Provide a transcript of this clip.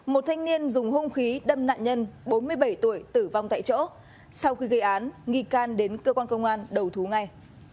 một thanh niên dùng hung khí đâm nạn nhân bốn mươi bảy tuổi tử vong tại chỗ sau khi gây án nghi can đến cơ quan công an đầu thú ngay